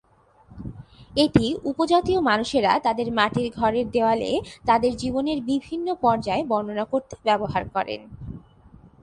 এটি উপজাতীয় মানুষেরা তাদের মাটির ঘরের দেওয়ালে তাদের জীবনের বিভিন্ন পর্যায় বর্ণনা করতে ব্যবহার করে।